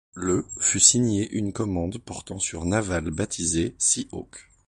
Le fut signée une commande portant sur navals baptisés Sea Hawk.